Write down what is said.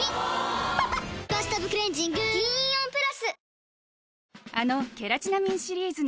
・おぉ「バスタブクレンジング」銀イオンプラス！